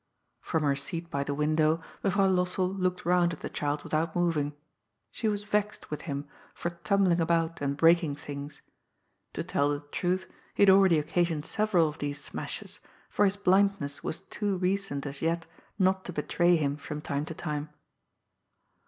From her seat by the window, Mevrouw Lossell looked round at the child without moving. She was vexed with him for tumbling about and breaking things. To tell the truth, he had already occasioned several of these smashes, for his blindness was too recent as yet not to betray him from time to time.